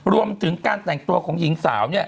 รวมถึงการแต่งตัวของหญิงสาว